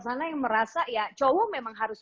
sana yang merasa ya cowok memang harus